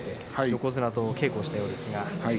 横綱と稽古したようです。